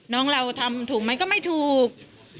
น้องเราทำถูกไหมก็ไม่ถูก